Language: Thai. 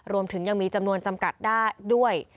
รวมถึงยังมีจำนวนจำกัดได้ด้วย